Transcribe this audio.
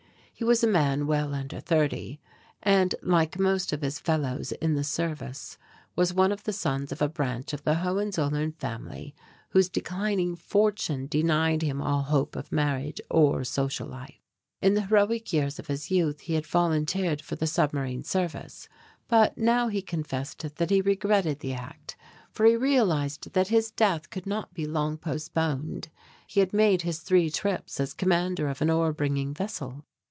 He was a man well under thirty and like most of his fellows in the service was one of the sons of a branch of the Hohenzollern family whose declining fortune denied him all hope of marriage or social life. In the heroic years of his youth he had volunteered for the submarine service. But now he confessed that he regretted the act, for he realized that his death could not be long postponed. He had made his three trips as commander of an ore bringing vessel.